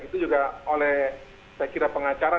itu juga oleh saya kira pengacara